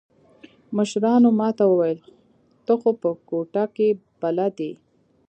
مشرانو ما ته وويل ته خو په کوټه کښې بلد يې.